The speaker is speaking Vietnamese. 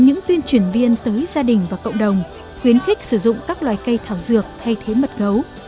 những tuyên truyền viên tới gia đình và cộng đồng khuyến khích sử dụng các loài cây thảo dược thay thế mật gấu